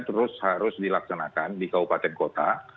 terus harus dilaksanakan di kabupaten kota